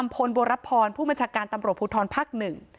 ผลโบรพรผู้บัญชาการตำรวจภูทรภักดิ์หนึ่ง